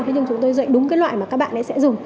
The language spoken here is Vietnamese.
thế nhưng chúng tôi dạy đúng cái loại mà các bạn ấy sẽ dùng